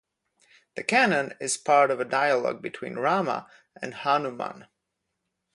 The canon is part of a dialogue between Rama and Hanuman.